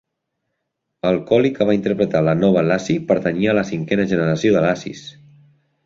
El collie que va interpretar "La nova Lassie" pertanyia a la cinquena generació de Lassies.